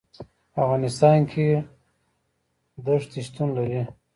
په افغانستان کې ښتې شتون لري.